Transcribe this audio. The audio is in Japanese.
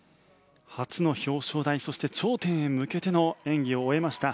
初の表彰台そして頂点へ向けての演技を終えました。